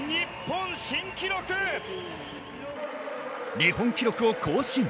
日本記録を更新。